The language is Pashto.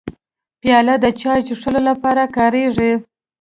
پیاله د چای څښلو لپاره کارېږي.